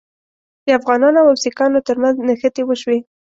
د افغانانو او سیکهانو ترمنځ نښتې وشوې.